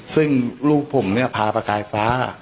ซึ่งลูกผมเนี่ยพาประกายฟ้า